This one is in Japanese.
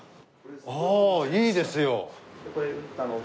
いいですよ！